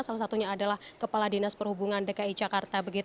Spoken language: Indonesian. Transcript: salah satunya adalah kepala dinas perhubungan dki jakarta